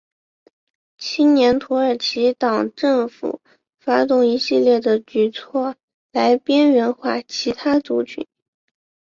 青年土耳其党政府发动一系列的举措来边缘化其他族群。